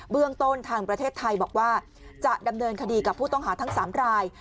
เรื่องต้นทางประเทศไทยบอกว่าจะดำเนินคดีกับผู้ต้องหาทั้ง๓ราย